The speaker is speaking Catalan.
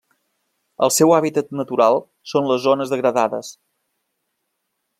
El seu hàbitat natural són les zones degradades.